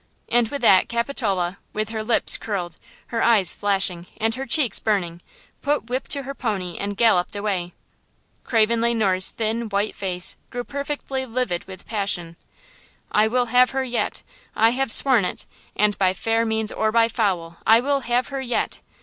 and with that Capitola, with her lips curled, her eyes flashing and her cheeks burning, put whip to her pony and galloped away. Craven Le Noir's thin, white face grew perfectly livid with passion. "I will have her yet! I have sworn it, and by fair means or by foul I will have her yet!"